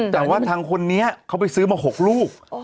แต่ว่าทางคนนี้เขาไปซื้อมา๖ลูก